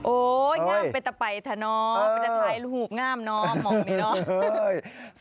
โอ๊ยงามเป็นตะไป่ทะเนาะถ่ายรูปงามเนาะหมองนี้เนาะ